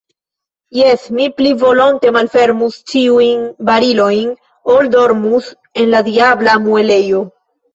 Jes, mi pli volonte malfermus ĉiujn barilojn, ol dormus en la diabla muelejo.